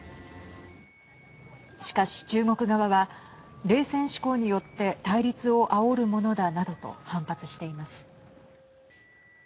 しかし、中国側は冷戦思考によって対立をあおるものだなどと反発しています。